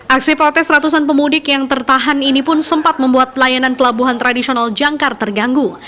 aksi protes ratusan pemudik yang tertahan ini pun sempat membuat pelayanan pelabuhan tradisional jangkar terganggu